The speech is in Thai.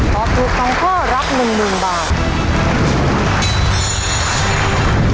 ตอบถูก๒ข้อรับ๑๐๐๐บาท